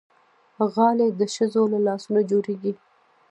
غالۍ د ښځو له لاسونو جوړېږي.